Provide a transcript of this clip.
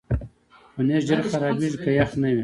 پنېر ژر خرابېږي که یخ نه وي.